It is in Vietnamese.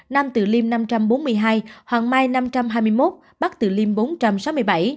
nam tự liêm năm trăm bốn mươi hai hoàng mai năm trăm hai mươi một bắc tự liêm năm trăm bốn mươi một